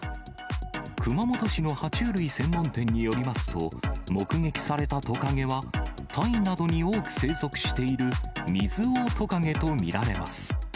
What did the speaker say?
熊本市のは虫類専門店によりますと、目撃されたトカゲは、タイなどに多く生息しているミズオオトカゲと見られます。